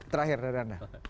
terakhir dari anda